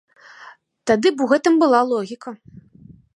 Тады б у гэтым была логіка.